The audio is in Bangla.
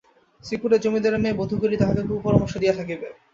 শ্রীপুরের জমিদারের মেয়ে বােধ করি তাহাকে কুপরামর্শ দিয়া থাকিবে।